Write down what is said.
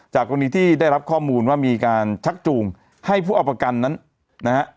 กรณีที่ได้รับข้อมูลว่ามีการชักจูงให้ผู้เอาประกันนั้นนะฮะ